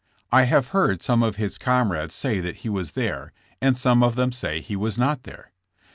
I have heard ^^lol some of his comrades say that he was there and some of them say he was not there.